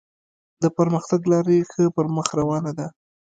د پرمختګ لاره یې ښه پر مخ روانه ده.